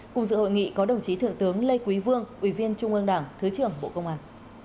cùng dự hội nghị có đồng chí thượng tướng lê quý vương ủy viên trung ương đảng thứ trưởng bộ công an